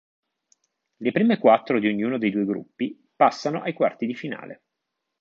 Le prime quattro di ognuno dei due gruppi passano ai quarti di finale.